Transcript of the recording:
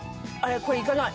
これ行かない。